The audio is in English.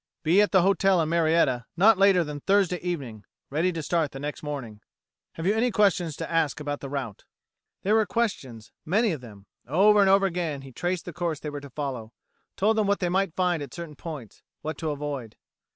Be at the hotel in Marietta not later than Thursday evening, ready to start the next morning. Have you any questions to ask about the route?" There were questions, many of them. Over and over again he traced the course they were to follow; told them what they might find at certain points, what to avoid.